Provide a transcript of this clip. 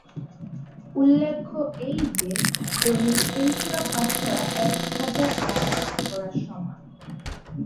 উল্লেখ্য এই যে, দৈনিক এই সূরা পাঠ করা এক হাজার আয়াত পাঠ করার সমান।